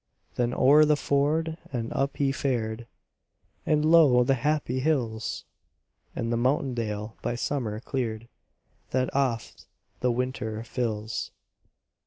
Then o'er the ford and up he fared: And lo the happy hills! And the mountain dale by summer cleared, That oft the winter fills.